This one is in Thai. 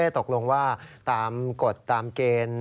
ตกลงว่าตามกฎตามเกณฑ์